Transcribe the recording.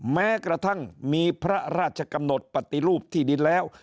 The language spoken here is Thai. แม้กระทั่งมีพระราชกำหนดปฏิรูปที่ดินแล้ว